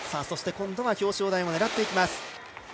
そして、今度は表彰台も狙っていきます。